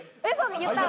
言ったの。